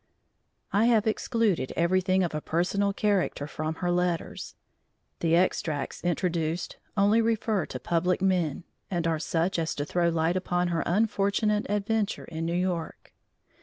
I have excluded everything of a personal character from her letters; the extracts introduced only refer to public men, and are such as to throw light upon her unfortunate adventure in New York.